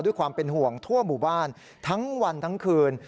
ด้วยความเป็นห่วงทั่วหมู่บ้านทั้งวันทั้งคืน